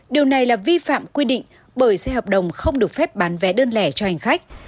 điều này là vi phạm quy định bởi xe hợp đồng không được phép bán vé đơn lẻ cho hành khách